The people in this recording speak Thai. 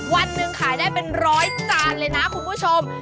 วันหนึ่งขายได้เป็นร้อยจานเลยนะคุณผู้ชม